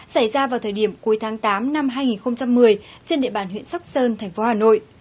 xảy ra vào thời điểm cuối tháng tám năm hai nghìn một mươi trên địa bàn huyện sóc sơn thành phố hà nội